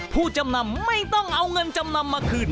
ผู้จำนำไม่ต้องเอาเงินจำนำมาคืน